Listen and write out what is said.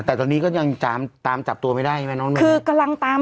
แต่ตอนนี้ก็ยังตามตามจับตัวไม่ได้ใช่ไหมน้องหนึ่งคือกำลังตาม